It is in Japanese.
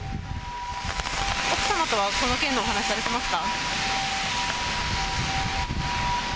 奥様とはこの件でお話しされてますか？